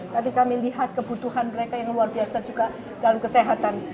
tapi kami lihat kebutuhan mereka yang luar biasa juga dalam kesehatan